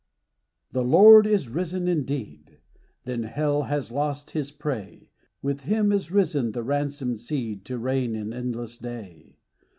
The Lord is risen indeed ;" Then hell has lost his prey : With Him is risen the ransomed seed To reign in endless day.